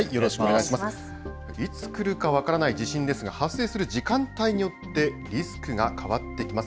いつ来るか分からない地震ですが発生する時間帯によってリスクが変わってきます。